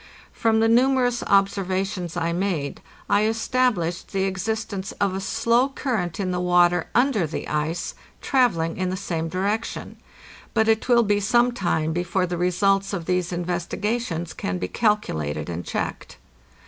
From the numerous observations I made I established the ex istence of a slow current in the water under the ice, travel ling in the same direction. But it will be some time before the results of these investigations can be calculated and checked.